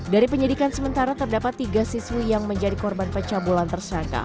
dari penyelidikan sementara terdapat tiga siswi yang menjadi korban pecah bulan tersangka